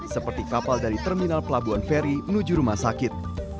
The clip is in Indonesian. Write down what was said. seperti kapal dari terminal pelabuhan feri menuju rumah sakit